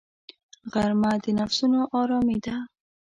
غرمه د نفسونو آرامي ده